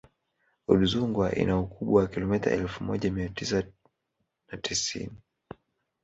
udzungwa ina ukubwa wa kilomita elfu moja mia tisa na tisini